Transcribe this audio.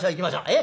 え？